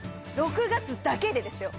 ６月だけでですよ？